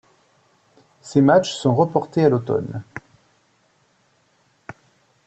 Ces matches sont reportés à l'automne.